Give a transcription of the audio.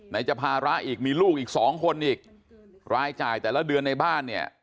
จะภาระอีกมีลูกอีกสองคนอีกรายจ่ายแต่ละเดือนในบ้านเนี่ย